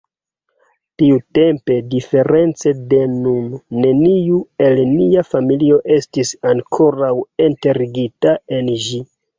Tiutempe diference de nun, neniu el nia familio estis ankoraŭ enterigita en ĝi.